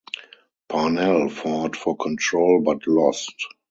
Parnell fought for control, but lost.